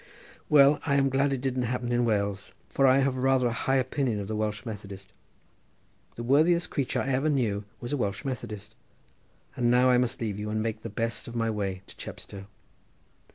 "Well, I am glad it didn't happen in Wales; I have rather a high opinion of the Welsh Methodists. The worthiest creature I ever knew was a Welsh Methodist. And now I must leave you and make the best of my way to Chepstow."